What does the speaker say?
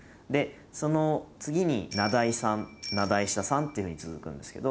その次に名題さん名題下さんっていうふうに続くんですけど。